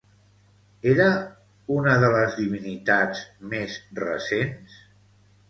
Era una de les divinitats més recents?